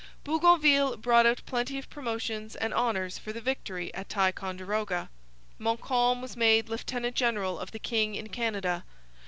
Bougainville brought out plenty of promotions and honours for the victory at Ticonderoga. Montcalm was made lieutenant general of the king in Canada.